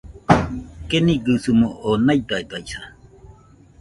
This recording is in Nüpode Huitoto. Keniguisɨmo oo naidadaisa